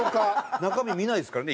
中身見ないですからね